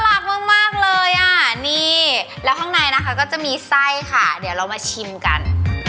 หลากหลายมากเลยอ่ะนี่แล้วข้างในนะคะก็จะมีไส้ค่ะเดี๋ยวเรามาชิมกัน